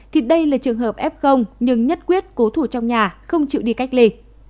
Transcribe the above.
thì đây là trường hợp f nhưng nhất quyết cố thủ trong nhà không chịu đi cách ly